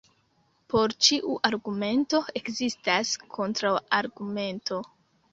Por ĉiu argumento ekzistas kontraŭargumento.